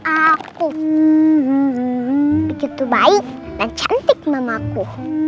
aku begitu baik dan cantik mamaku